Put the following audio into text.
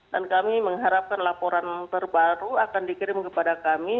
dan kami mengharapkan laporan terbaru akan dikirim kepada kami